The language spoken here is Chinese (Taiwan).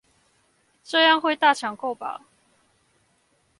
這樣會大搶購吧